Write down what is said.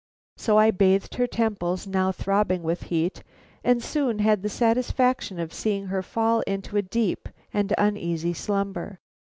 So I bathed her temples, now throbbing with heat, and soon had the satisfaction of seeing her fall into a deep and uneasy slumber.